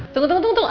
tunggu tunggu tunggu